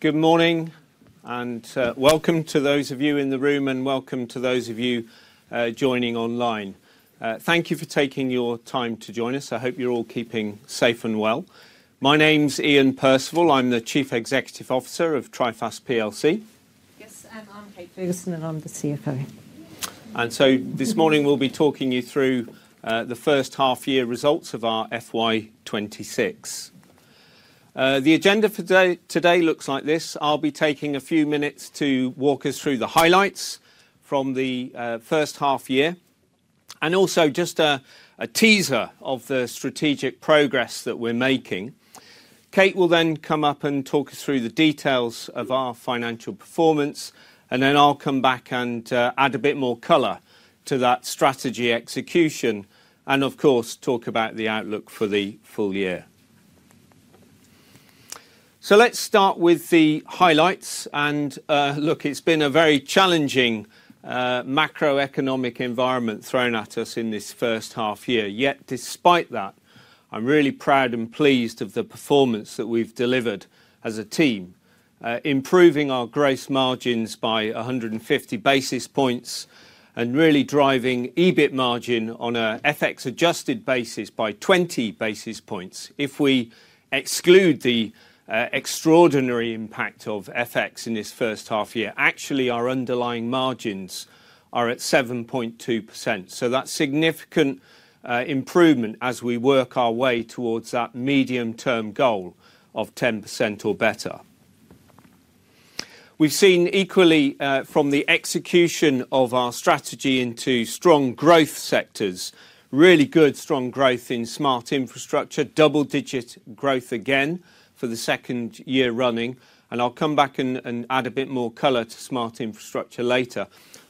Good morning, and welcome to those of you in the room, and welcome to those of you joining online. Thank you for taking your time to join us. I hope you're all keeping safe and well. My name's Iain Percival. I'm the Chief Executive Officer of Trifast. 2 Yes, and I'm Kate Ferguson, and I'm the CFO. This morning we will be talking you through the first half-year results of our FY 2026. The agenda for today looks like this. I will be taking a few minutes to walk us through the highlights from the first half-year, and also just a teaser of the strategic progress that we are making. Kate will then come up and talk us through the details of our financial performance, and then I will come back and add a bit more color to that strategy execution, and of course talk about the outlook for the full year. Let us start with the highlights. It has been a very challenging macroeconomic environment thrown at us in this first half-year. Yet despite that, I'm really proud and pleased of the performance that we've delivered as a team, improving our gross margins by 150 basis points and really driving EBIT margin on an FX-adjusted basis by 20 basis points. If we exclude the extraordinary impact of FX in this first half-year, actually our underlying margins are at 7.2%. That is significant improvement as we work our way towards that medium-term goal of 10% or better. We've seen equally from the execution of our strategy into strong growth sectors, really good strong growth in smart infrastructure, double-digit growth again for the second year running, and I'll come back and add a bit more color to smart infrastructure later.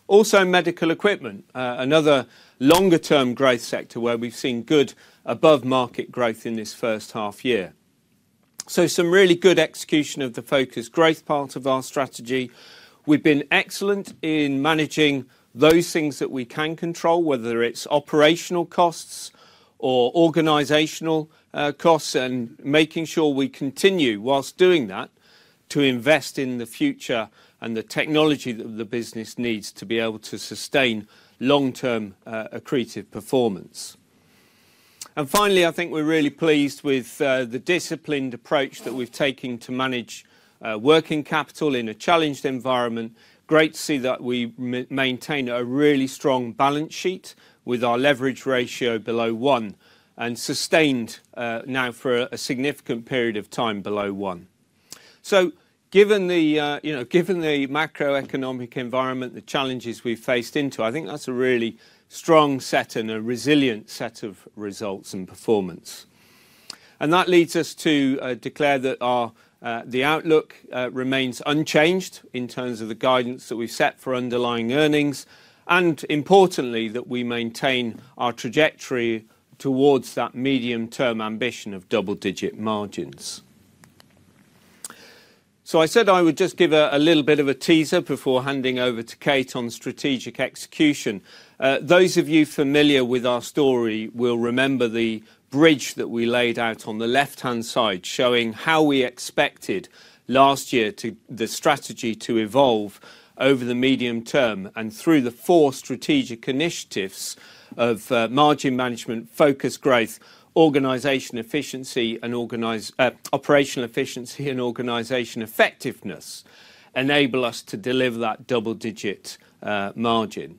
Also medical equipment, another longer-term growth sector where we've seen good above-market growth in this first half-year. Some really good execution of the focused growth part of our strategy. We've been excellent in managing those things that we can control, whether it's operational costs or organizational costs, and making sure we continue whilst doing that to invest in the future and the technology that the business needs to be able to sustain long-term accretive performance. Finally, I think we're really pleased with the disciplined approach that we've taken to manage working capital in a challenged environment. Great to see that we maintain a really strong balance sheet with our leverage ratio below one and sustained now for a significant period of time below one. Given the, you know, given the macroeconomic environment, the challenges we've faced into, I think that's a really strong set and a resilient set of results and performance. That leads us to declare that the outlook remains unchanged in terms of the guidance that we've set for underlying earnings, and importantly that we maintain our trajectory towards that medium-term ambition of double-digit margins. I said I would just give a little bit of a teaser before handing over to Kate on strategic execution. Those of you familiar with our story will remember the bridge that we laid out on the left-hand side showing how we expected last year the strategy to evolve over the medium term and through the four strategic initiatives of margin management, focused growth, organisational efficiency, and organisational effectiveness enable us to deliver that double-digit margin.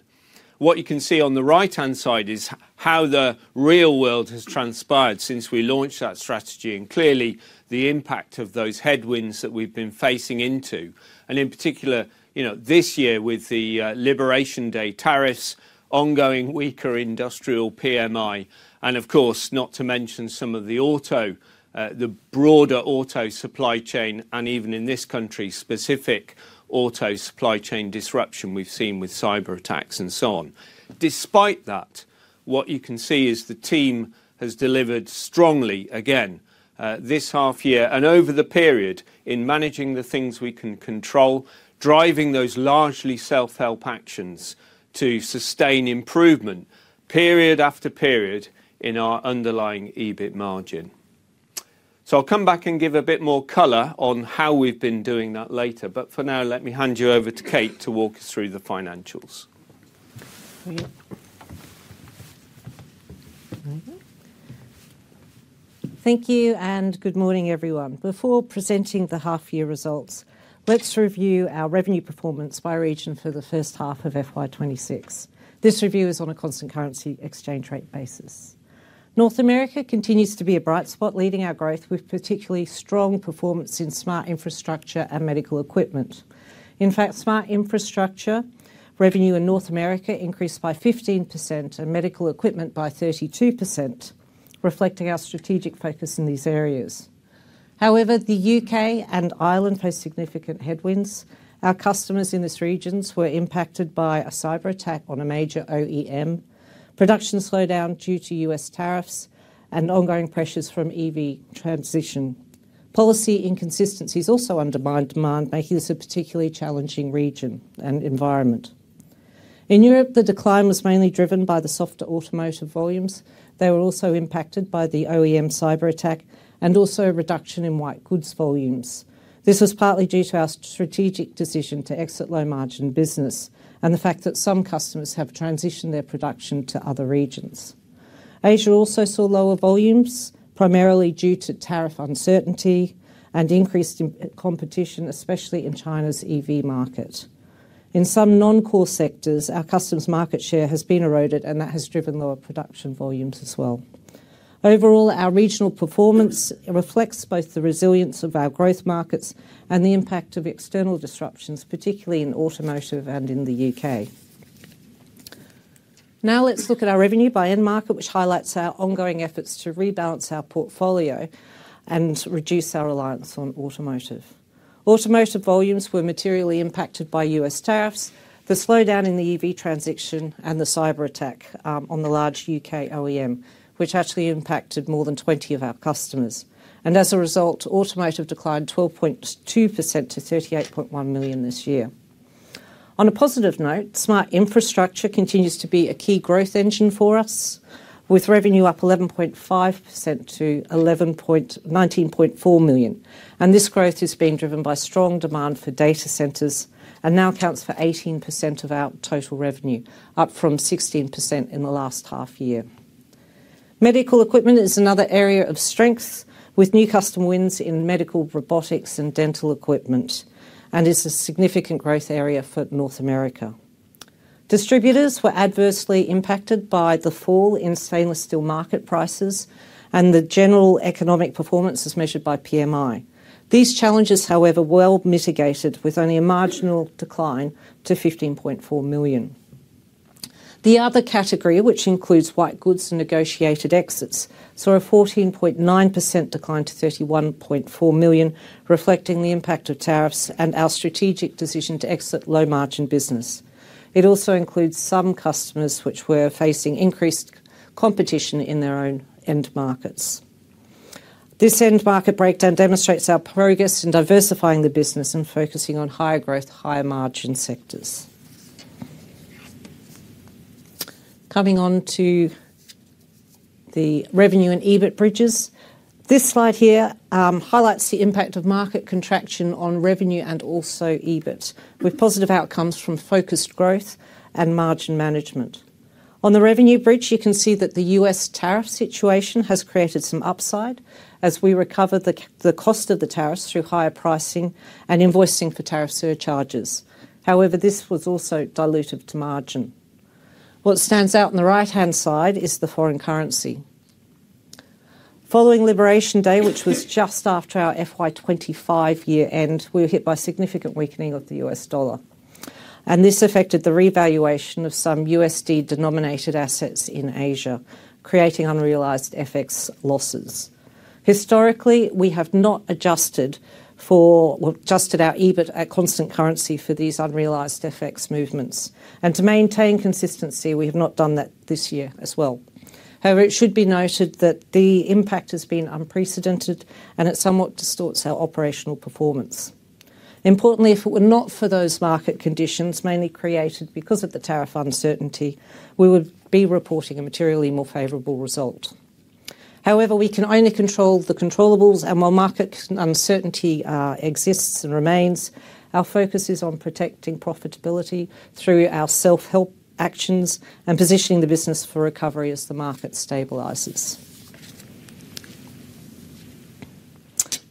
What you can see on the right-hand side is how the real world has transpired since we launched that strategy, and clearly the impact of those headwinds that we've been facing into, and in particular, you know, this year with the Liberation Day tariffs, ongoing weaker industrial PMI, and of course not to mention some of the auto, the broader auto supply chain, and even in this country specific auto supply chain disruption we've seen with cyber attacks and so on. Despite that, what you can see is the team has delivered strongly again this half-year and over the period in managing the things we can control, driving those largely self-help actions to sustain improvement period after period in our underlying EBIT margin. I'll come back and give a bit more color on how we've been doing that later, but for now let me hand you over to Kate to walk us through the financials. Thank you and good morning everyone. Before presenting the half-year results, let's review our revenue performance by region for the first half of FY 2026. This review is on a constant currency exchange rate basis. North America continues to be a bright spot leading our growth with particularly strong performance in smart infrastructure and medical equipment. In fact, smart infrastructure revenue in North America increased by 15% and medical equipment by 32%, reflecting our strategic focus in these areas. However, the U.K. and Ireland post significant headwinds. Our customers in this region were impacted by a cyber attack on a major OEM, production slowdown due to US tariffs, and ongoing pressures from EV transition. Policy inconsistencies also undermined demand, making this a particularly challenging region and environment. In Europe, the decline was mainly driven by the soft automotive volumes. They were also impacted by the OEM cyber attack and also a reduction in white goods volumes. This was partly due to our strategic decision to exit low-margin business and the fact that some customers have transitioned their production to other regions. Asia also saw lower volumes primarily due to tariff uncertainty and increased competition, especially in China's EV market. In some non-core sectors, our customers' market share has been eroded, and that has driven lower production volumes as well. Overall, our regional performance reflects both the resilience of our growth markets and the impact of external disruptions, particularly in automotive and in the U.K. Now let's look at our revenue by end market, which highlights our ongoing efforts to rebalance our portfolio and reduce our reliance on automotive. Automotive volumes were materially impacted by U.S. tariffs, the slowdown in the EV transition, and the cyber attack on the large U.K. OEM, which actually impacted more than 20 of our customers. As a result, automotive declined 12.2% to 38.1 million this year. On a positive note, smart infrastructure continues to be a key growth engine for us, with revenue up 11.5% to 19.4 million. This growth has been driven by strong demand for data centres and now accounts for 18% of our total revenue, up from 16% in the last half-year. Medical equipment is another area of strength, with new custom wins in medical robotics and dental equipment, and it's a significant growth area for North America. Distributors were adversely impacted by the fall in stainless steel market prices and the general economic performance as measured by PMI. These challenges, however, were well mitigated with only a marginal decline to 15.4 million. The other category, which includes white goods and negotiated exits, saw a 14.9% decline to 31.4 million, reflecting the impact of tariffs and our strategic decision to exit low-margin business. It also includes some customers which were facing increased competition in their own end markets. This end market breakdown demonstrates our progress in diversifying the business and focusing on higher growth, higher margin sectors. Coming on to the revenue and EBIT bridges, this slide here highlights the impact of market contraction on revenue and also EBIT, with positive outcomes from focused growth and margin management. On the revenue bridge, you can see that the US tariff situation has created some upside as we recovered the cost of the tariffs through higher pricing and invoicing for tariff surcharges. However, this was also diluted to margin. What stands out on the right-hand side is the foreign currency. Following Liberation Day, which was just after our FY 2025 year end, we were hit by significant weakening of the US dollar, and this affected the revaluation of some USD-denominated assets in Asia, creating unrealised FX losses. Historically, we have not adjusted for, well, adjusted our EBIT at constant currency for these unrealised FX movements, and to maintain consistency, we have not done that this year as well. However, it should be noted that the impact has been unprecedented, and it somewhat distorts our operational performance. Importantly, if it were not for those market conditions mainly created because of the tariff uncertainty, we would be reporting a materially more favorable result. However, we can only control the controllables. While market uncertainty exists and remains, our focus is on protecting profitability through our self-help actions and positioning the business for recovery as the market stabilizes.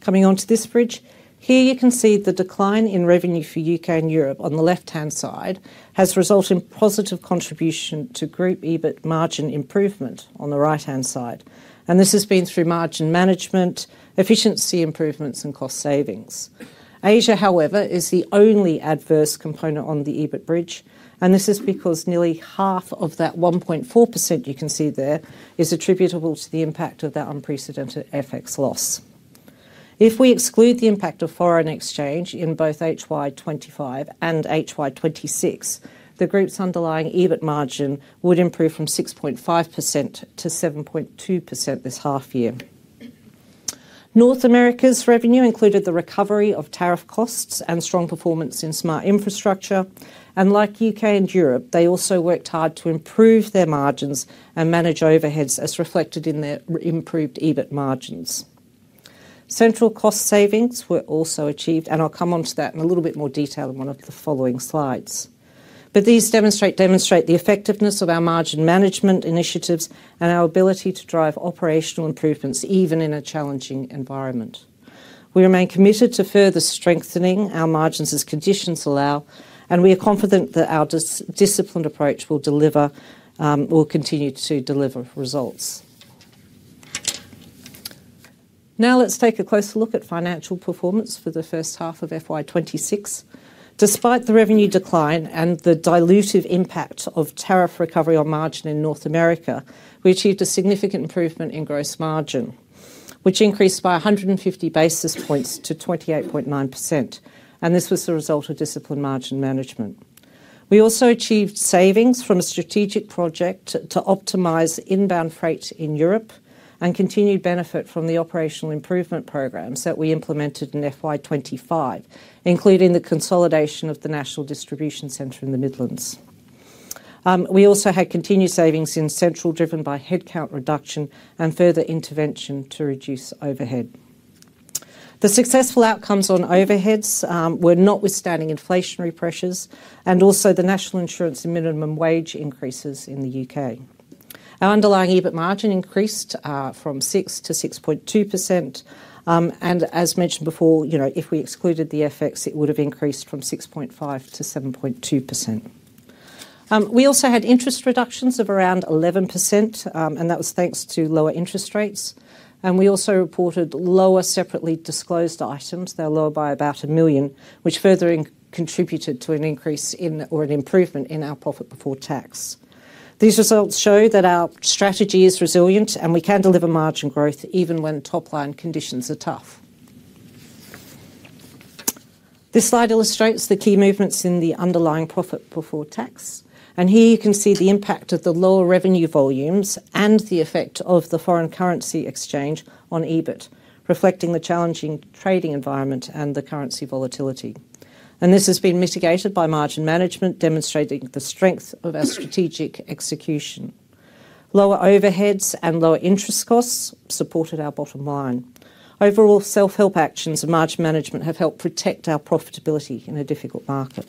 Coming on to this bridge, here you can see the decline in revenue for U.K. and Europe on the left-hand side has resulted in positive contribution to group EBIT margin improvement on the right-hand side. This has been through margin management, efficiency improvements, and cost savings. Asia, however, is the only adverse component on the EBIT bridge, and this is because nearly half of that 1.4% you can see there is attributable to the impact of that unprecedented FX loss. If we exclude the impact of foreign exchange in both HY 2025 and HY 2026, the group's underlying EBIT margin would improve from 6.5% to 7.2% this half-year. North America's revenue included the recovery of tariff costs and strong performance in smart infrastructure. Like U.K. and Europe, they also worked hard to improve their margins and manage overheads as reflected in their improved EBIT margins. Central cost savings were also achieved, and I'll come on to that in a little bit more detail in one of the following slides. These demonstrate the effectiveness of our margin management initiatives and our ability to drive operational improvements even in a challenging environment. We remain committed to further strengthening our margins as conditions allow, and we are confident that our disciplined approach will continue to deliver results. Now let's take a closer look at financial performance for the first half of FY 2026. Despite the revenue decline and the dilutive impact of tariff recovery on margin in North America, we achieved a significant improvement in gross margin, which increased by 150 basis points to 28.9%, and this was the result of disciplined margin management. We also achieved savings from a strategic project to optimize inbound freight in Europe and continued benefit from the operational improvement programs that we implemented in FY 2025, including the consolidation of the National Distribution Centre in the Midlands. We also had continued savings in central driven by headcount reduction and further intervention to reduce overhead. The successful outcomes on overheads were notwithstanding inflationary pressures and also the national insurance and minimum wage increases in the U.K. Our underlying EBIT margin increased from 6% to 6.2%, and as mentioned before, you know, if we excluded the FX, it would have increased from 6.5% to 7.2%. We also had interest reductions of around 11%, and that was thanks to lower interest rates. We also reported lower separately disclosed items. They are lower by about 1 million, which further contributed to an increase in or an improvement in our profit before tax. These results show that our strategy is resilient and we can deliver margin growth even when top line conditions are tough. This slide illustrates the key movements in the underlying profit before tax, and here you can see the impact of the lower revenue volumes and the effect of the foreign currency exchange on EBIT, reflecting the challenging trading environment and the currency volatility. This has been mitigated by margin management, demonstrating the strength of our strategic execution. Lower overheads and lower interest costs supported our bottom line. Overall, self-help actions and margin management have helped protect our profitability in a difficult market.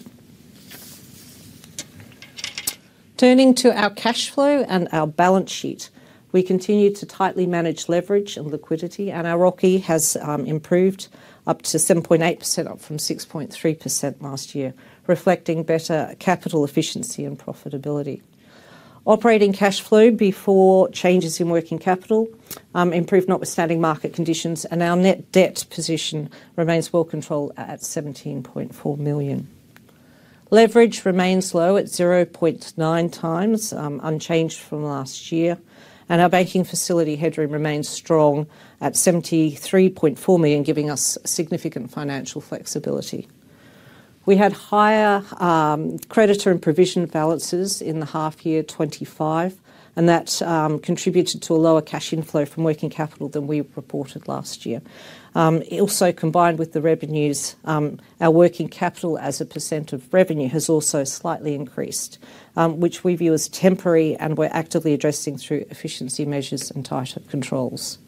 Turning to our cash flow and our balance sheet, we continue to tightly manage leverage and liquidity, and our ROCE has improved up to 7.8% up from 6.3% last year, reflecting better capital efficiency and profitability. Operating cash flow before changes in working capital improved notwithstanding market conditions, and our net debt position remains well controlled at 17.4 million. Leverage remains low at 0.9x, unchanged from last year, and our banking facility headroom remains strong at 73.4 million, giving us significant financial flexibility. We had higher creditor and provision balances in the half-year 2025, and that contributed to a lower cash inflow from working capital than we reported last year. Also, combined with the revenues, our working capital as a percent of revenue has also slightly increased, which we view as temporary, and we're actively addressing through efficiency measures and tighter controls.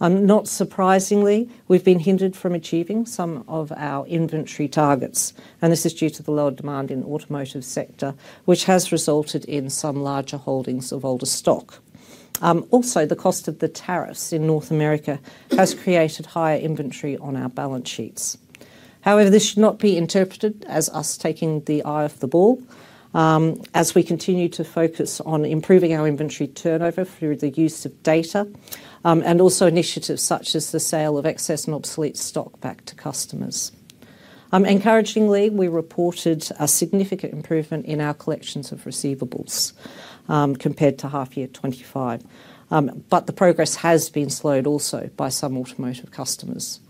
Not surprisingly, we've been hindered from achieving some of our inventory targets, and this is due to the lower demand in the automotive sector, which has resulted in some larger holdings of older stock. Also, the cost of the tariffs in North America has created higher inventory on our balance sheets. However, this should not be interpreted as us taking the eye off the ball as we continue to focus on improving our inventory turnover through the use of data and also initiatives such as the sale of excess and obsolete stock back to customers. Encouragingly, we reported a significant improvement in our collections of receivables compared to half-year 2025, but the progress has been slowed also by some automotive customers.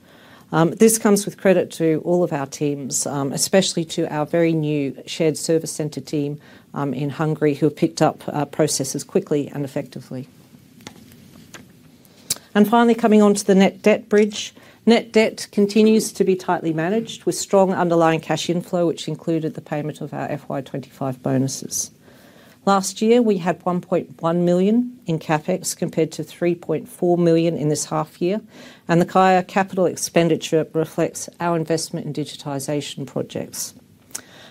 This comes with credit to all of our teams, especially to our very new shared service centre team in Hungary, who have picked up processes quickly and effectively. Finally, coming on to the net debt bridge, net debt continues to be tightly managed with strong underlying cash inflow, which included the payment of our FY 2025 bonuses. Last year, we had 1.1 million in CapEx compared to 3.4 million in this half-year, and the higher capital expenditure reflects our investment in digitisation projects,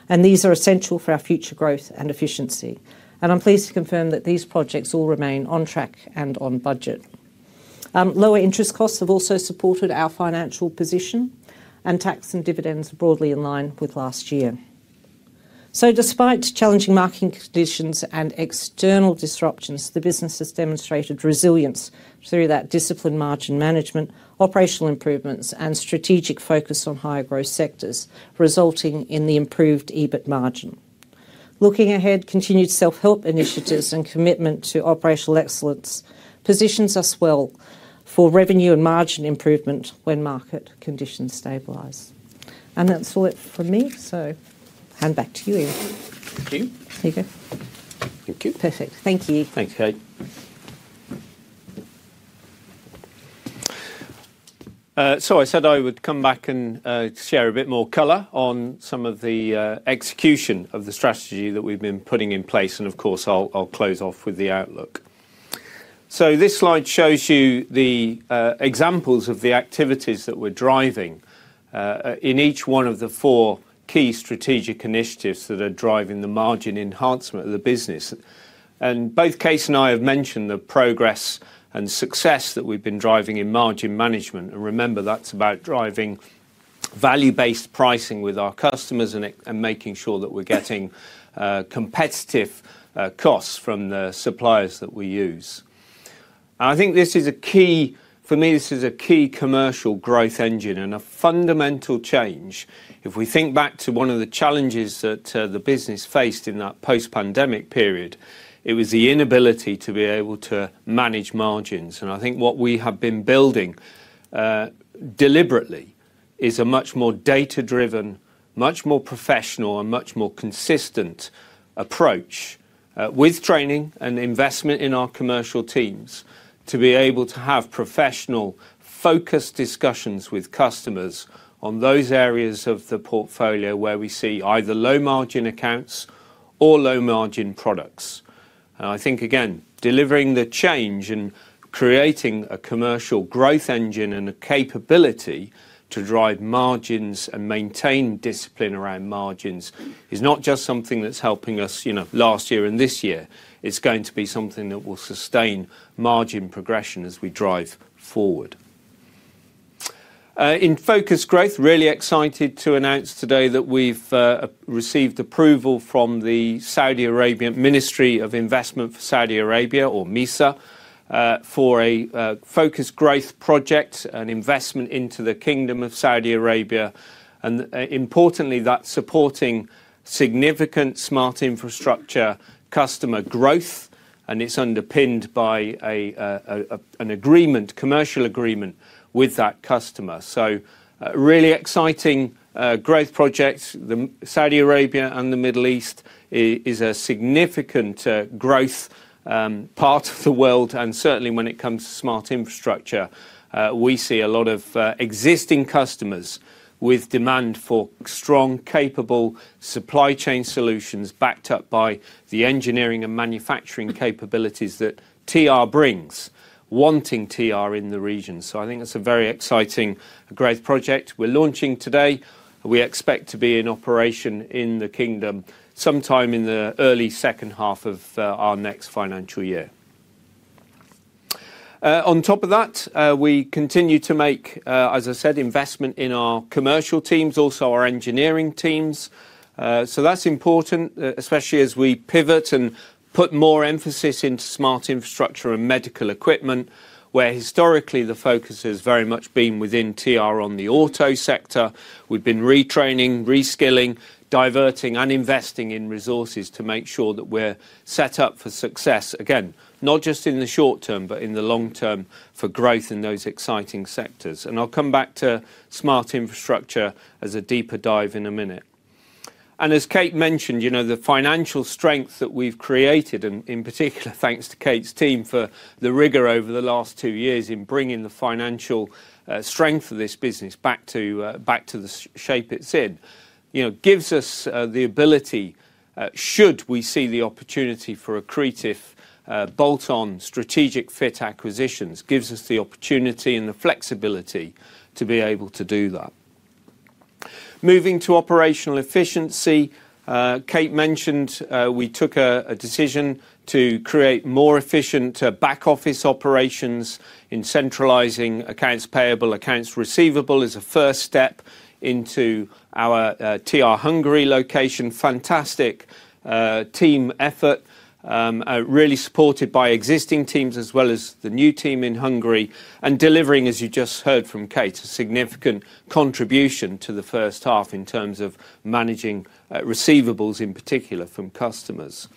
and these are essential for our future growth and efficiency. I'm pleased to confirm that these projects all remain on track and on budget. Lower interest costs have also supported our financial position, and tax and dividends are broadly in line with last year. Despite challenging market conditions and external disruptions, the business has demonstrated resilience through that disciplined margin management, operational improvements, and strategic focus on higher growth sectors, resulting in the improved EBIT margin. Looking ahead, continued self-help initiatives and commitment to operational excellence position us well for revenue and margin improvement when market conditions stabilize. That is all from me, so hand back to you, Iain. Thank you. There you go. Thank you. Perfect. Thank you. Thanks, Kate. I said I would come back and share a bit more color on some of the execution of the strategy that we have been putting in place, and of course, I will close off with the outlook. This slide shows you the examples of the activities that we are driving in each one of the four key strategic initiatives that are driving the margin enhancement of the business. Kate and I have mentioned the progress and success that we've been driving in margin management, and remember that's about driving value-based pricing with our customers and making sure that we're getting competitive costs from the suppliers that we use. I think this is a key, for me, this is a key commercial growth engine and a fundamental change. If we think back to one of the challenges that the business faced in that post-pandemic period, it was the inability to be able to manage margins. I think what we have been building deliberately is a much more data-driven, much more professional, and much more consistent approach with training and investment in our commercial teams to be able to have professional focused discussions with customers on those areas of the portfolio where we see either low margin accounts or low margin products. I think, again, delivering the change and creating a commercial growth engine and a capability to drive margins and maintain discipline around margins is not just something that's helping us, you know, last year and this year. It's going to be something that will sustain margin progression as we drive forward. In focused growth, really excited to announce today that we've received approval from the Saudi Arabian Ministry of Investment for Saudi Arabia, or MISA, for a focused growth project, an investment into the Kingdom of Saudi Arabia, and importantly, that's supporting significant smart infrastructure customer growth, and it's underpinned by an agreement, commercial agreement with that customer. Really exciting growth projects. Saudi Arabia and the Middle East is a significant growth part of the world, and certainly when it comes to smart infrastructure, we see a lot of existing customers with demand for strong, capable supply chain solutions backed up by the engineering and manufacturing capabilities that TR brings, wanting TR in the region. I think it's a very exciting growth project. We're launching today. We expect to be in operation in the Kingdom sometime in the early second half of our next financial year. On top of that, we continue to make, as I said, investment in our commercial teams, also our engineering teams. That's important, especially as we pivot and put more emphasis into smart infrastructure and medical equipment, where historically the focus has very much been within TR on the auto sector. We've been retraining, reskilling, diverting, and investing in resources to make sure that we're set up for success, again, not just in the short term, but in the long term for growth in those exciting sectors. I'll come back to smart infrastructure as a deeper dive in a minute. As Kate mentioned, you know, the financial strength that we've created, and in particular, thanks to Kate's team for the rigor over the last two years in bringing the financial strength of this business back to the shape it's in, you know, gives us the ability, should we see the opportunity for accretive, bolt-on, strategic fit acquisitions, gives us the opportunity and the flexibility to be able to do that. Moving to operational efficiency, Kate mentioned we took a decision to create more efficient back office operations in centralizing accounts, payable accounts, receivable as a first step into our TR Hungary location. Fantastic team effort, really supported by existing teams as well as the new team in Hungary, and delivering, as you just heard from Kate, a significant contribution to the first half in terms of managing receivables in particular from customers.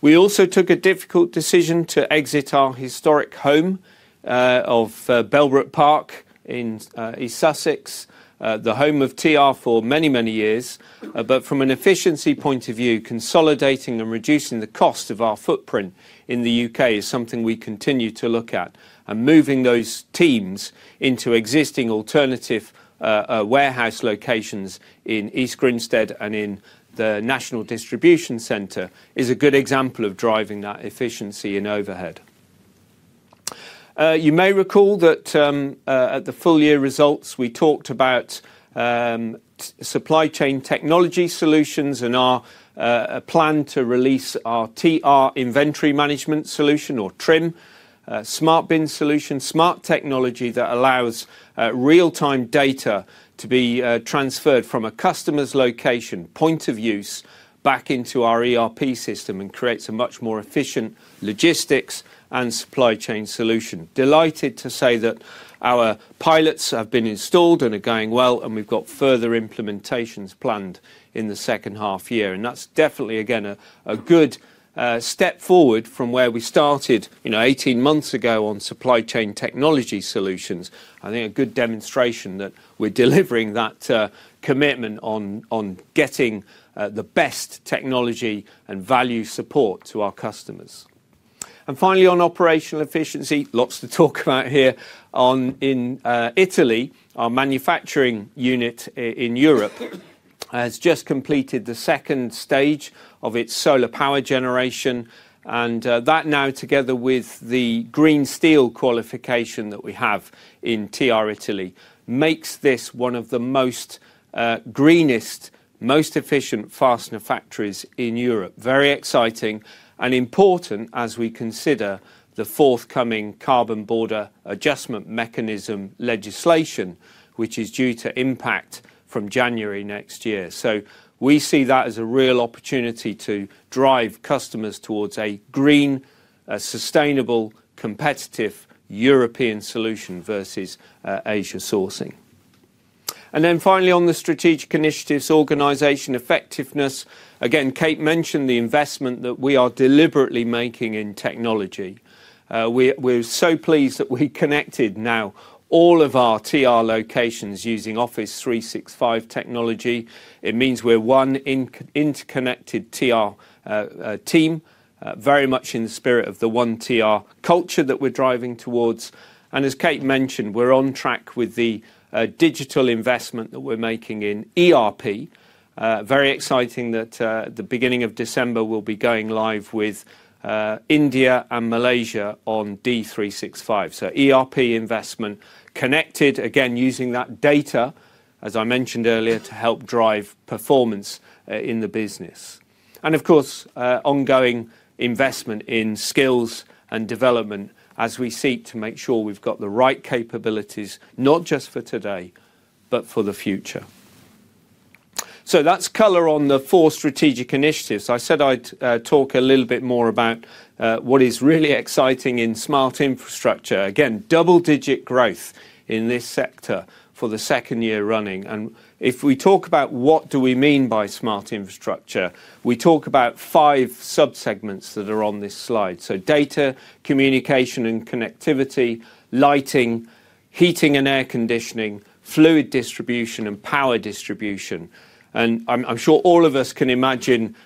We also took a difficult decision to exit our historic home of Buxted Park in East Sussex, the home of TR for many, many years, but from an efficiency point of view, consolidating and reducing the cost of our footprint in the U.K. is something we continue to look at, and moving those teams into existing alternative warehouse locations in East Grinstead and in the National Distribution Centre is a good example of driving that efficiency in overhead. You may recall that at the full year results, we talked about supply chain technology solutions and our plan to release our TR inventory management solution, or TRIM, smart bin solution, smart technology that allows real-time data to be transferred from a customer's location, point of use, back into our ERP system and creates a much more efficient logistics and supply chain solution. Delighted to say that our pilots have been installed and are going well, and we've got further implementations planned in the second half year, and that's definitely, again, a good step forward from where we started, you know, 18 months ago on supply chain technology solutions. I think a good demonstration that we're delivering that commitment on getting the best technology and value support to our customers. Finally, on operational efficiency, lots to talk about here. In Italy, our manufacturing unit in Europe has just completed the second stage of its solar power generation, and that now, together with the green steel qualification that we have in TR Italy, makes this one of the greenest, most efficient fastener factories in Europe. Very exciting and important as we consider the forthcoming carbon border adjustment mechanism legislation, which is due to impact from January next year. We see that as a real opportunity to drive customers towards a green, sustainable, competitive European solution versus Asia sourcing. Finally, on the strategic initiatives, organisation effectiveness, again, Kate mentioned the investment that we are deliberately making in technology. We're so pleased that we connected now all of our TR locations using Office 365 technology. It means we're one interconnected TR team, very much in the spirit of the one TR culture that we're driving towards. As Kate mentioned, we're on track with the digital investment that we're making in ERP. It is very exciting that at the beginning of December we will be going live with India and Malaysia on D365. ERP investment is connected, again, using that data, as I mentioned earlier, to help drive performance in the business. Of course, there is ongoing investment in skills and development as we seek to make sure we've got the right capabilities, not just for today, but for the future. That is color on the four strategic initiatives. I said I would talk a little bit more about what is really exciting in smart infrastructure. Again, there is double-digit growth in this sector for the second year running. If we talk about what we mean by smart infrastructure, we talk about five sub-segments that are on this slide. Data, communication and connectivity, lighting, heating and air conditioning, fluid distribution and power distribution. I'm sure all of us can imagine,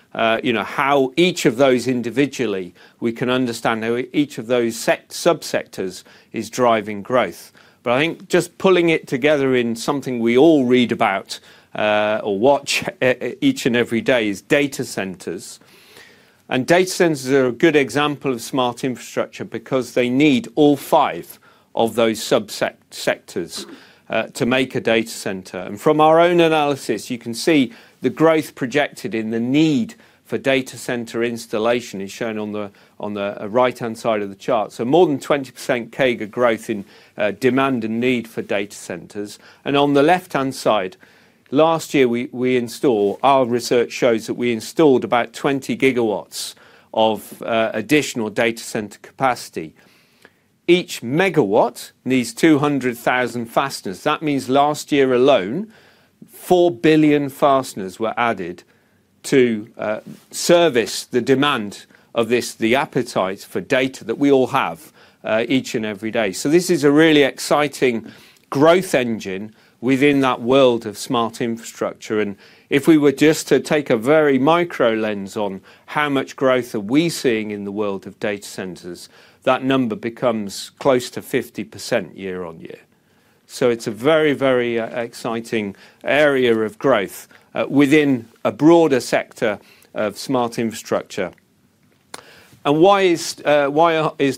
you know, how each of those individually, we can understand how each of those sub-sectors is driving growth. I think just pulling it together in something we all read about or watch each and every day is data centres. Data centres are a good example of smart infrastructure because they need all five of those sub-sectors to make a data centre. From our own analysis, you can see the growth projected in the need for data centre installation is shown on the right-hand side of the chart. More than 20% CAGR growth in demand and need for data centres. On the left-hand side, last year we installed, our research shows that we installed about 20 GW of additional data centre capacity. Each megawatt needs 200,000 fasteners. That means last year alone, 4 billion fasteners were added to service the demand of this, the appetite for data that we all have each and every day. This is a really exciting growth engine within that world of smart infrastructure. If we were just to take a very micro lens on how much growth are we seeing in the world of data centres, that number becomes close to 50% year on year. It is a very, very exciting area of growth within a broader sector of smart infrastructure. Why is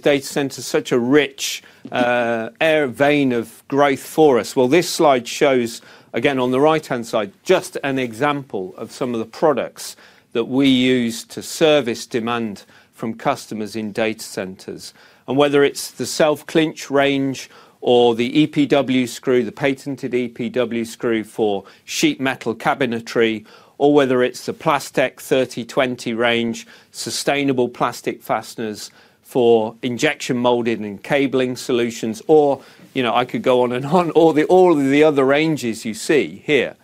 data centre such a rich vein of growth for us? This slide shows, again, on the right-hand side, just an example of some of the products that we use to service demand from customers in data centres. Whether it is the self-clench range or the EPW screw, the patented EPW screw for sheet metal cabinetry, or whether it is the PLASTEC 3020 range, sustainable plastic fasteners for injection molding and cabling solutions, or, you know, I could go on and on, all the other ranges you see here.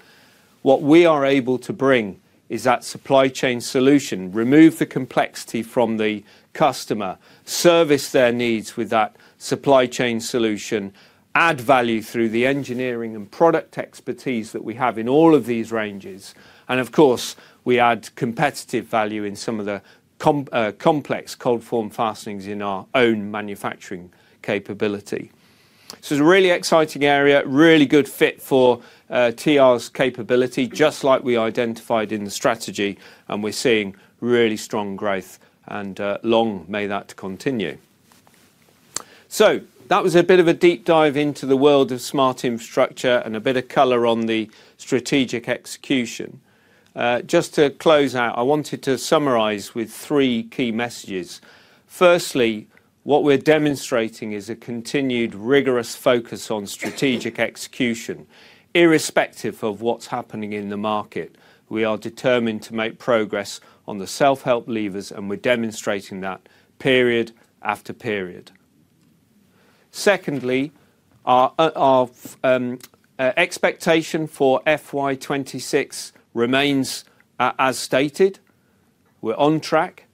What we are able to bring is that supply chain solution, remove the complexity from the customer, service their needs with that supply chain solution, add value through the engineering and product expertise that we have in all of these ranges. Of course, we add competitive value in some of the complex cold form fastenings in our own manufacturing capability. It is a really exciting area, really good fit for TR's capability, just like we identified in the strategy, and we are seeing really strong growth and long may that continue. That was a bit of a deep dive into the world of smart infrastructure and a bit of color on the strategic execution. Just to close out, I wanted to summarize with three key messages. Firstly, what we're demonstrating is a continued rigorous focus on strategic execution, irrespective of what's happening in the market. We are determined to make progress on the self-help levers, and we're demonstrating that period after period. Secondly, our expectation for FY 2026 remains as stated. We're on track.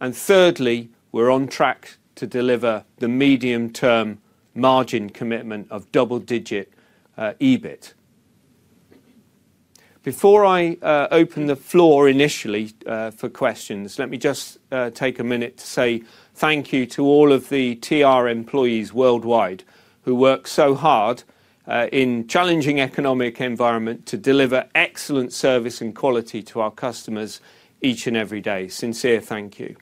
Thirdly, we're on track to deliver the medium-term margin commitment of double-digit EBIT. Before I open the floor initially for questions, let me just take a minute to say thank you to all of the TR employees worldwide who work so hard in a challenging economic environment to deliver excellent service and quality to our customers each and every day. Sincere thank you.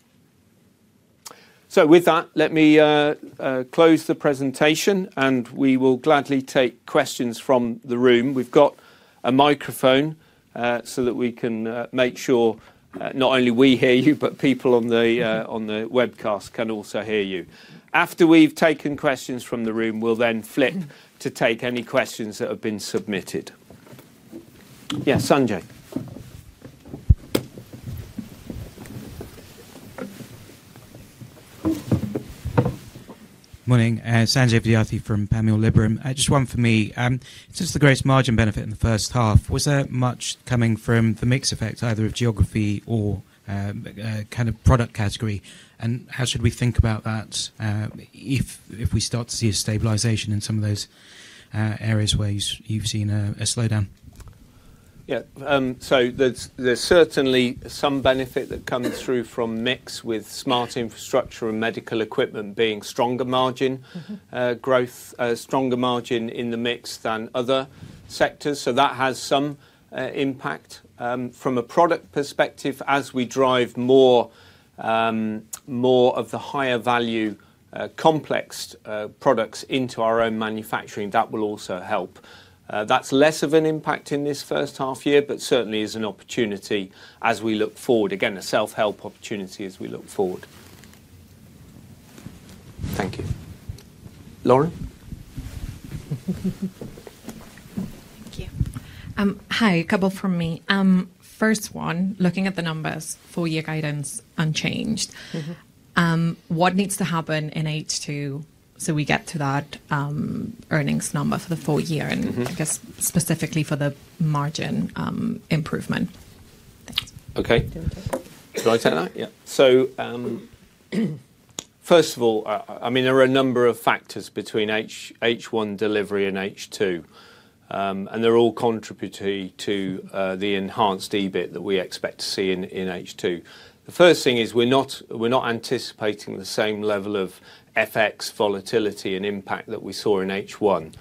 With that, let me close the presentation, and we will gladly take questions from the room. We have a microphone so that we can make sure not only we hear you, but people on the webcast can also hear you. After we have taken questions from the room, we will then flip to take any questions that have been submitted. Yes, Sanjay. Morning. Sanjay Vidyarthi from Panmure Liberum. Just one for me. Since the greatest margin benefit in the first half, was there much coming from the mix effect, either of geography or kind of product category? How should we think about that if we start to see a stabilisation in some of those areas where you have seen a slowdown? Yeah, there is certainly some benefit that comes through from mix with smart infrastructure and medical equipment being stronger margin growth, stronger margin in the mix than other sectors. That has some impact from a product perspective as we drive more of the higher value complex products into our own manufacturing. That will also help. That is less of an impact in this first half year, but certainly is an opportunity as we look forward, again, a self-help opportunity as we look forward. Thank you. Lauren. Thank you. Hi, a couple from me. First one, looking at the numbers, full year guidance unchanged. What needs to happen in H2 so we get to that earnings number for the full year and, I guess, specifically for the margin improvement? Okay. Do you want to take that? Yeah. First of all, I mean, there are a number of factors between H1 delivery and H2, and they are all contributory to the enhanced EBIT that we expect to see in H2. The first thing is we're not anticipating the same level of FX volatility and impact that we saw in H1,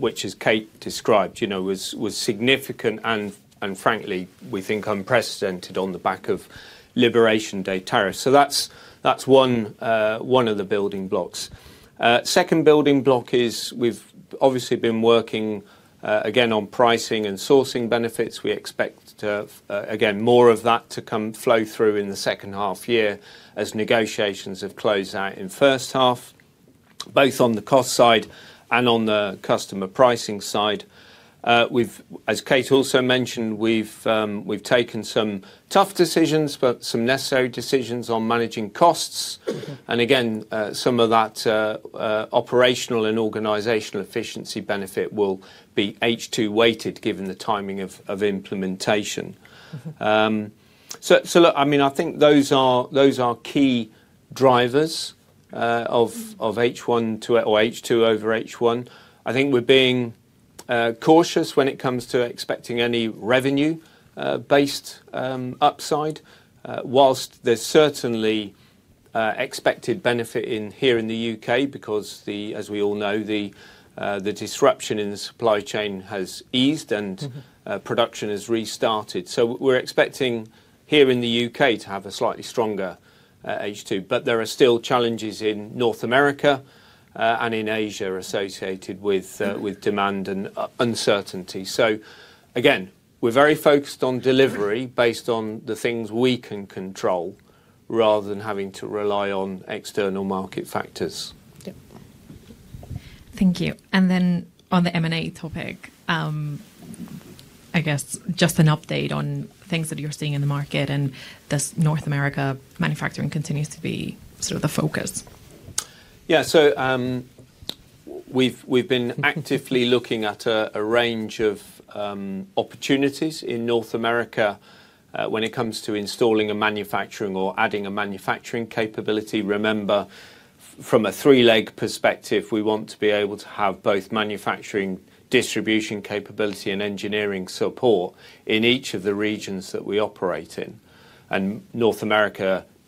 which, as Kate described, you know, was significant and, frankly, we think unprecedented on the back of Liberation Day tariffs. That's one of the building blocks. The second building block is we've obviously been working, again, on pricing and sourcing benefits. We expect, again, more of that to come flow through in the second half year as negotiations have closed out in the first half, both on the cost side and on the customer pricing side. As Kate also mentioned, we've taken some tough decisions, but some necessary decisions on managing costs. Again, some of that operational and organizational efficiency benefit will be H2 weighted given the timing of implementation. I mean, I think those are key drivers of H1 to, or H2 over H1. I think we're being cautious when it comes to expecting any revenue-based upside, whilst there's certainly expected benefit here in the U.K. because, as we all know, the disruption in the supply chain has eased and production has restarted. We're expecting here in the U.K. to have a slightly stronger H2, but there are still challenges in North America and in Asia associated with demand and uncertainty. We're very focused on delivery based on the things we can control rather than having to rely on external market factors. Thank you. On the M&A topic, I guess just an update on things that you're seeing in the market and this North America manufacturing continues to be sort of the focus. Yeah, we've been actively looking at a range of opportunities in North America when it comes to installing a manufacturing or adding a manufacturing capability. Remember, from a three-leg perspective, we want to be able to have both manufacturing distribution capability and engineering support in each of the regions that we operate in. North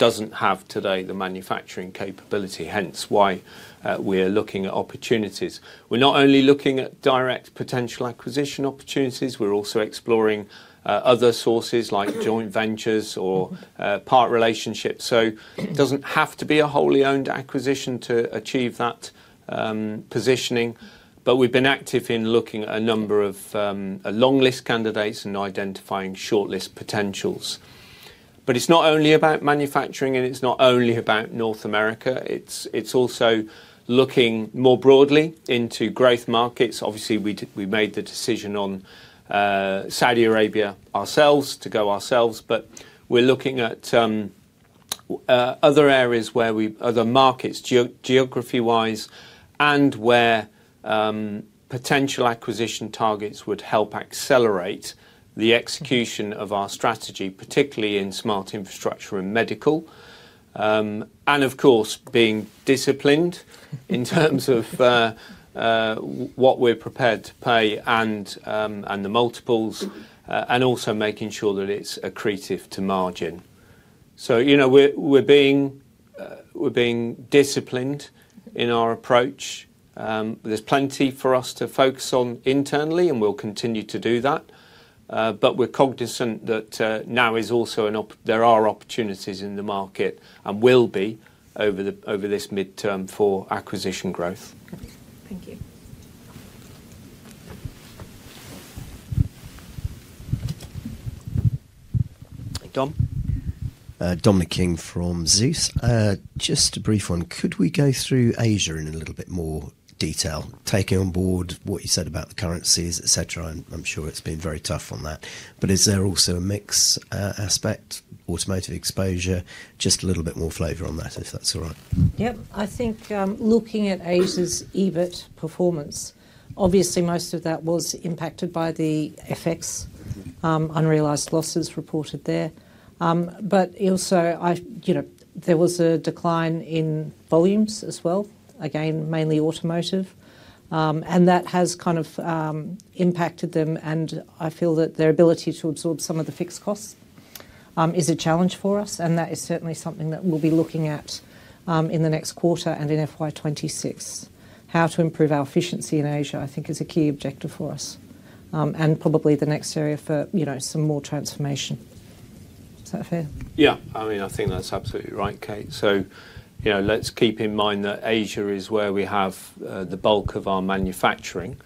America does not have today the manufacturing capability, hence why we are looking at opportunities. We are not only looking at direct potential acquisition opportunities, we are also exploring other sources like joint ventures or part relationships. It does not have to be a wholly owned acquisition to achieve that positioning, but we have been active in looking at a number of longlist candidates and identifying shortlist potentials. It is not only about manufacturing and it is not only about North America. It is also looking more broadly into growth markets. Obviously, we made the decision on Saudi Arabia ourselves to go ourselves, but we're looking at other areas where we, other markets geography-wise and where potential acquisition targets would help accelerate the execution of our strategy, particularly in smart infrastructure and medical. Of course, being disciplined in terms of what we're prepared to pay and the multiples, and also making sure that it's accretive to margin. You know, we're being disciplined in our approach. There's plenty for us to focus on internally and we'll continue to do that. We're cognizant that now is also an, there are opportunities in the market and will be over this midterm for acquisition growth. Thank you. Tom. Dominic King from Zeus. Just a brief one. Could we go through Asia in a little bit more detail, taking on board what you said about the currencies, etc.? I'm sure it's been very tough on that. Is there also a mix aspect, automotive exposure, just a little bit more flavor on that, if that's all right? Yep. I think looking at Asia's EBIT performance, obviously most of that was impacted by the FX unrealized losses reported there. Also, you know, there was a decline in volumes as well, again, mainly automotive. That has kind of impacted them. I feel that their ability to absorb some of the fixed costs is a challenge for us. That is certainly something that we'll be looking at in the next quarter and in FY 2026. How to improve our efficiency in Asia, I think, is a key objective for us. Probably the next area for, you know, some more transformation. Is that fair? Yeah. I mean, I think that's absolutely right, Kate. You know, let's keep in mind that Asia is where we have the bulk of our manufacturing.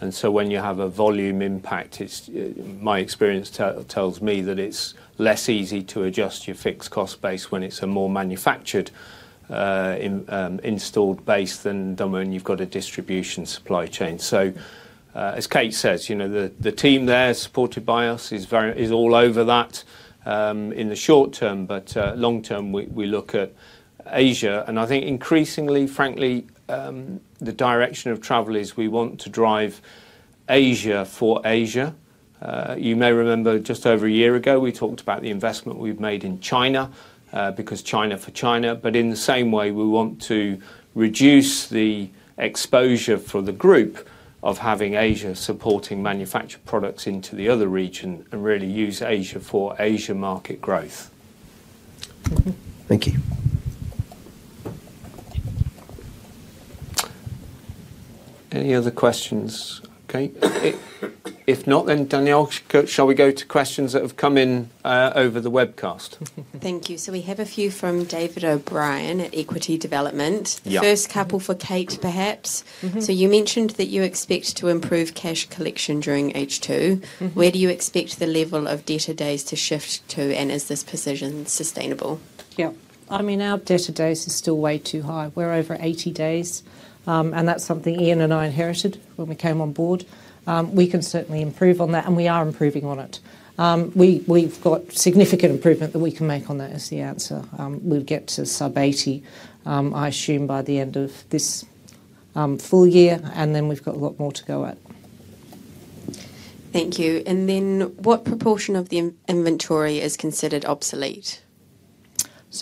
When you have a volume impact, my experience tells me that it's less easy to adjust your fixed cost base when it's a more manufactured, installed base than when you've got a distribution supply chain. As Kate says, you know, the team there supported by us is all over that in the short term, but long term we look at Asia. I think increasingly, frankly, the direction of travel is we want to drive Asia for Asia. You may remember just over a year ago we talked about the investment we've made in China because China for China. But in the same way, we want to reduce the exposure for the group of having Asia supporting manufactured products into the other region and really use Asia for Asia market growth. Thank you. Any other questions, Kate? If not, then Danielle, shall we go to questions that have come in over the webcast? Thank you. So, we have a few from David O'Brien at Equity Development. First couple for Kate, perhaps. So, you mentioned that you expect to improve cash collection during H2. Where do you expect the level of debtor days to shift to, and is this position sustainable? Yeah. I mean, our debtor days are still way too high. We're over 80 days, and that's something Iain and I inherited when we came on board. We can certainly improve on that, and we are improving on it. We've got significant improvement that we can make on that as the answer. We'll get to sub 80, I assume, by the end of this full year, and then we've got a lot more to go at. Thank you. What proportion of the inventory is considered obsolete?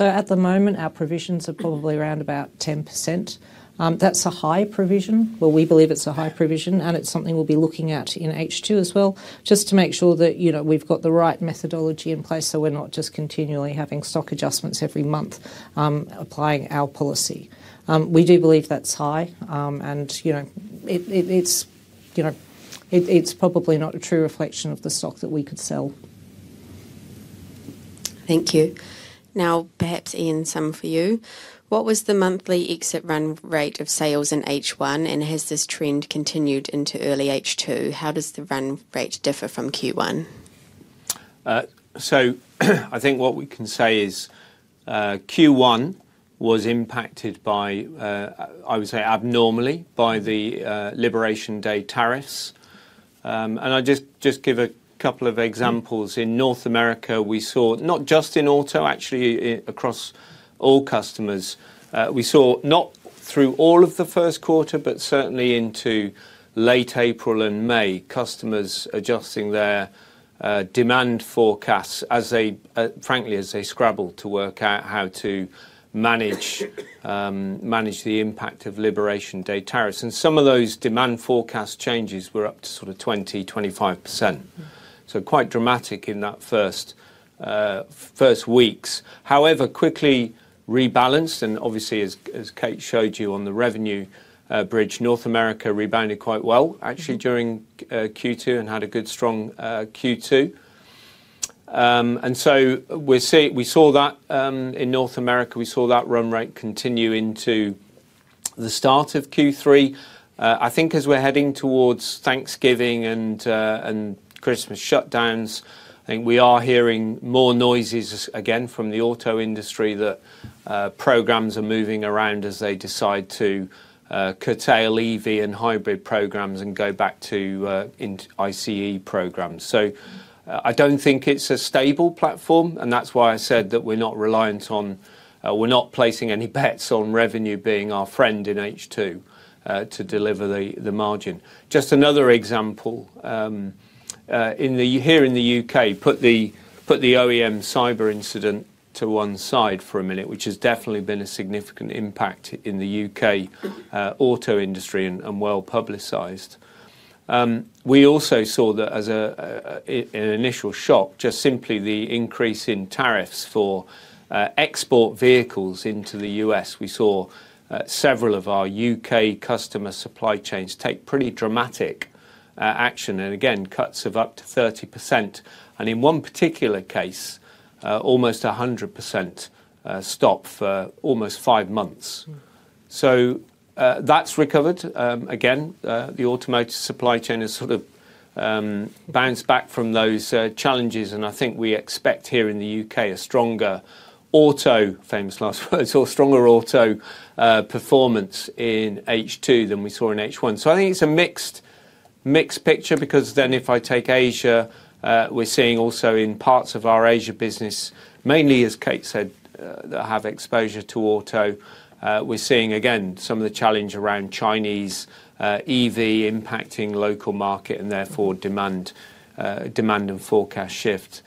At the moment, our provisions are probably around about 10%. That's a high provision. We believe it's a high provision, and it's something we'll be looking at in H2 as well, just to make sure that, you know, we've got the right methodology in place so we're not just continually having stock adjustments every month applying our policy. We do believe that's high, and, you know, it's probably not a true reflection of the stock that we could sell. Thank you. Now, perhaps Iain, some for you. What was the monthly exit run rate of sales in H1, and has this trend continued into early H2? How does the run rate differ from Q1? I think what we can say is Q1 was impacted, I would say, abnormally by the Liberation Day tariffs. I'll just give a couple of examples. In North America, we saw, not just in auto, actually across all customers, we saw not through all of the first quarter, but certainly into late April and May, customers adjusting their demand forecasts as they, frankly, as they scrabbled to work out how to manage the impact of Liberation Day tariffs. Some of those demand forecast changes were up to 20%-25%. Quite dramatic in those first weeks. However, quickly rebalanced, and obviously, as Kate showed you on the revenue bridge, North America rebounded quite well, actually, during Q2 and had a good strong Q2. We saw that in North America. We saw that run rate continue into the start of Q3. I think as we're heading towards Thanksgiving and Christmas shutdowns, I think we are hearing more noises again from the auto industry that programs are moving around as they decide to curtail EV and hybrid programs and go back to ICE programs. I don't think it's a stable platform, and that's why I said that we're not reliant on, we're not placing any bets on revenue being our friend in H2 to deliver the margin. Just another example here in the U.K., put the OEM cyber incident to one side for a minute, which has definitely been a significant impact in the U.K. auto industry and well publicized. We also saw that as an initial shock, just simply the increase in tariffs for export vehicles into the US, we saw several of our U.K. customer supply chains take pretty dramatic action and, again, cuts of up to 30%. In one particular case, almost 100% stop for almost five months. That has recovered. Again, the automotive supply chain has sort of bounced back from those challenges, and I think we expect here in the U.K. a stronger auto, famous last words, or stronger auto performance in H2 than we saw in H1. I think it's a mixed picture because if I take Asia, we're seeing also in parts of our Asia business, mainly, as Kate said, that have exposure to auto, we're seeing, again, some of the challenge around Chinese EV impacting local market and therefore demand and forecast shift.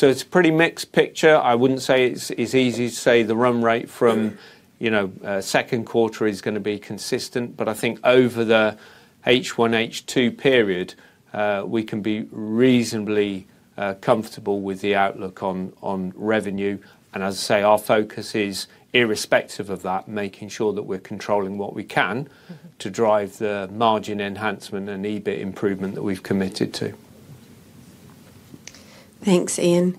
It's a pretty mixed picture. I wouldn't say it's easy to say the run rate from, you know, second quarter is going to be consistent, but I think over the H1, H2 period, we can be reasonably comfortable with the outlook on revenue. As I say, our focus is irrespective of that, making sure that we're controlling what we can to drive the margin enhancement and EBIT improvement that we've committed to. Thanks, Iain.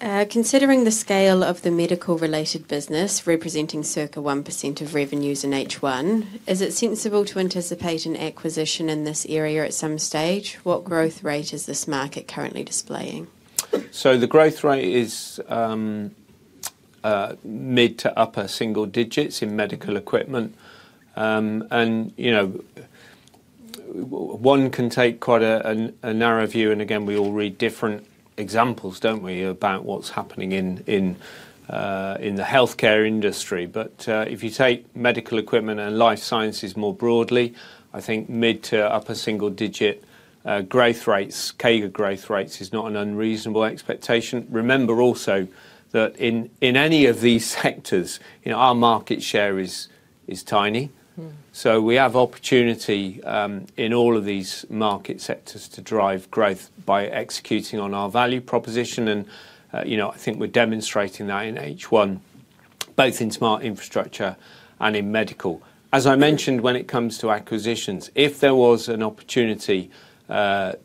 Considering the scale of the medical-related business representing circa 1% of revenues in H1, is it sensible to anticipate an acquisition in this area at some stage? What growth rate is this market currently displaying? The growth rate is mid to upper single digits in medical equipment. And, you know, one can take quite a narrow view, and again, we all read different examples, don't we, about what's happening in the healthcare industry. If you take medical equipment and life sciences more broadly, I think mid to upper single digit growth rates, CAGR growth rates, is not an unreasonable expectation. Remember also that in any of these sectors, you know, our market share is tiny. We have opportunity in all of these market sectors to drive growth by executing on our value proposition. You know, I think we're demonstrating that in H1, both in smart infrastructure and in medical. As I mentioned, when it comes to acquisitions, if there was an opportunity that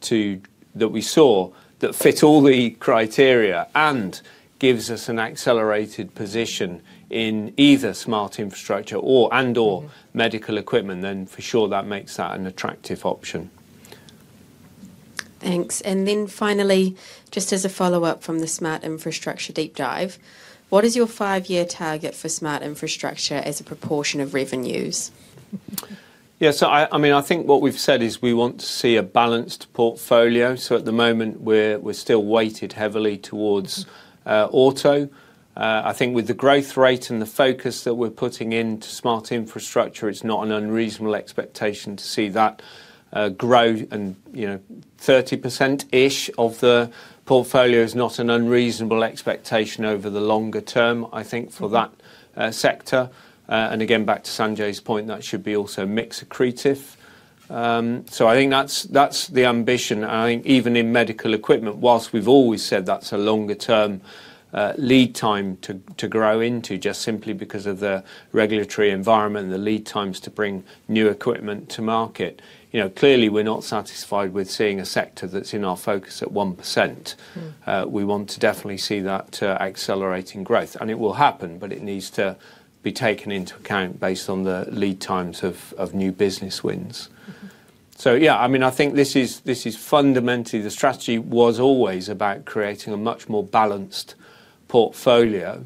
we saw that fits all the criteria and gives us an accelerated position in either smart infrastructure and/or medical equipment, then for sure that makes that an attractive option. Thanks. Finally, just as a follow-up from the smart infrastructure deep dive, what is your five-year target for smart infrastructure as a proportion of revenues? Yeah. I mean, I think what we've said is we want to see a balanced portfolio. At the moment, we're still weighted heavily towards auto. I think with the growth rate and the focus that we're putting into smart infrastructure, it's not an unreasonable expectation to see that grow. You know, 30%-ish of the portfolio is not an unreasonable expectation over the longer term, I think, for that sector. Again, back to Sanjay's point, that should be also mixed accretive. I think that's the ambition. I think even in medical equipment, whilst we've always said that's a longer-term lead time to grow into, just simply because of the regulatory environment and the lead times to bring new equipment to market, you know, clearly we're not satisfied with seeing a sector that's in our focus at 1%. We want to definitely see that accelerating growth. It will happen, but it needs to be taken into account based on the lead times of new business wins. Yeah, I mean, I think this is fundamentally the strategy was always about creating a much more balanced portfolio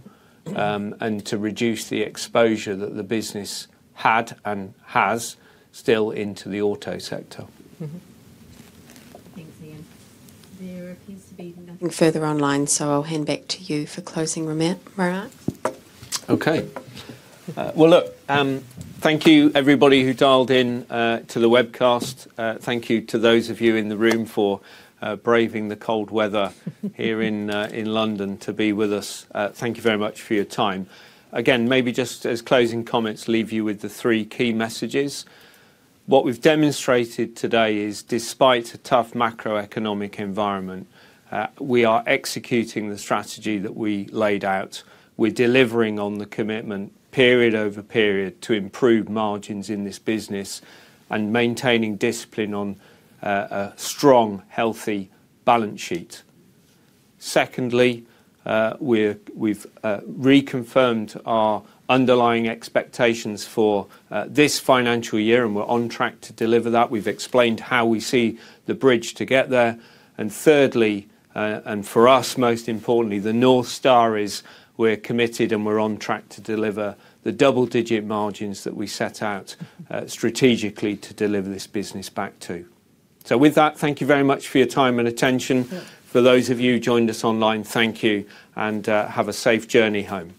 and to reduce the exposure that the business had and has still into the auto sector. Thanks, Iain. There appears to be nothing further online, so I'll hand back to you for closing, Iain. Okay. Thank you, everybody who dialed in to the webcast. Thank you to those of you in the room for braving the cold weather here in London to be with us. Thank you very much for your time. Again, maybe just as closing comments, leave you with the three key messages. What we've demonstrated today is, despite a tough macroeconomic environment, we are executing the strategy that we laid out. We're delivering on the commitment, period over period, to improve margins in this business and maintaining discipline on a strong, healthy balance sheet. Secondly, we've reconfirmed our underlying expectations for this financial year, and we're on track to deliver that. We've explained how we see the bridge to get there. Thirdly, and for us, most importantly, the North Star is we're committed and we're on track to deliver the double-digit margins that we set out strategically to deliver this business back to. Thank you very much for your time and attention. For those of you who joined us online, thank you, and have a safe journey home.